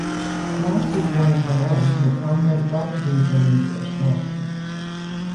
Mosse was born in Berlin to a prominent, well-to-do German Jewish family.